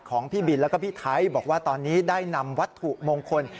พี่บินแล้วก็พี่ไทยบอกว่าตอนนี้ได้นำวัตถุมงคล